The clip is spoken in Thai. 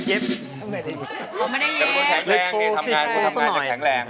ในช่องในช่องที่ทำงานแข็งแรง